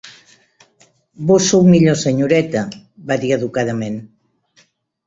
"Vós sou millor, senyoreta", va dir educadament.